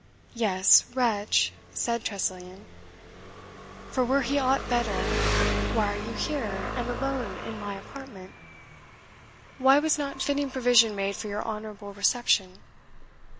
"Yes, WRETCH!" said Tressilian; "for were he aught better, why are you here, and alone, in my apartment? why was not fitting provision made for your honourable reception?"